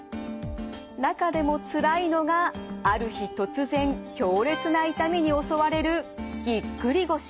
中でもつらいのがある日突然強烈な痛みに襲われるぎっくり腰。